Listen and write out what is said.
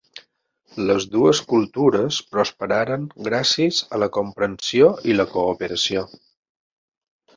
Les dues cultures prosperaren gràcies a la comprensió i la cooperació.